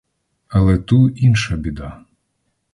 Але ту інша біда.